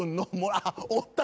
あっ。おった。